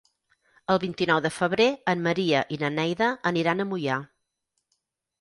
El vint-i-nou de febrer en Maria i na Neida aniran a Moià.